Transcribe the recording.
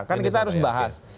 kan kita harus bahas